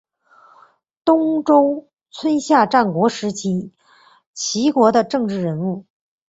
东周春秋战国时期齐国的政治人物。